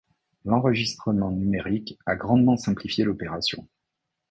L'enregistrement numérique a grandement simplifié l'opération.